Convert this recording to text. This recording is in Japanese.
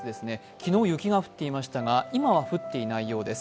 昨日、雪が降っていましたが今は降っていないようです。